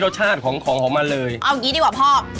รสชาติของของมันเลยเอาอย่างนี้ดีกว่าพ่อ